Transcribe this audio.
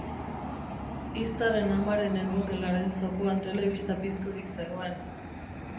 Iztaren amaren egongelaren zokoan telebista pizturik zegoen.